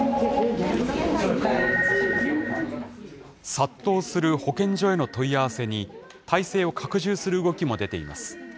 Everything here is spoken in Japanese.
殺到する保健所への問い合わせに、体制を拡充する動きも出ています。